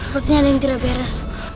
sepertinya ada yang tidak beres